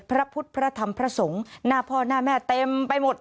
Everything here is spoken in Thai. พระพุทธพระธรรมพระสงฆ์หน้าพ่อหน้าแม่เต็มไปหมด